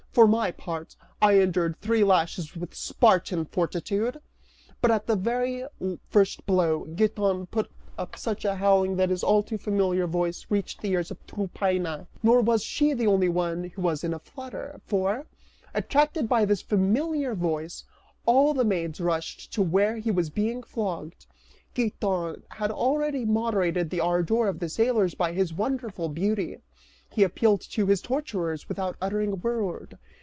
For my part, I endured three lashes with Spartan fortitude, but at the very first blow, Giton set up such a howling that his all too familiar voice reached the ears of Tryphaena; nor was she the only one who was in a flutter, for, attracted by this familiar voice, all the maids rushed to where he was being flogged. Giton had already moderated the ardor of the sailors by his wonderful beauty, he appealed to his torturers without uttering a word.